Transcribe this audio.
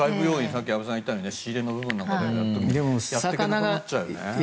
さっき安部さんが言ったけど仕入れの部分なんかでやっていけなくなっちゃうよね。